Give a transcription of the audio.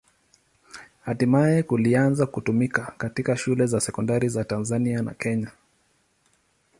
Hatimaye kilianza kutumika katika shule za sekondari za Tanzania na Kenya.